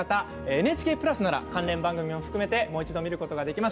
ＮＨＫプラスなら関連番組を含めて、もう一度見ることができます。